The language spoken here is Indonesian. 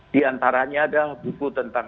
diantaranya ada buku tentang